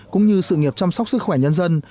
cũng như sự nghiệp chăm sóc sức khỏe nhân dân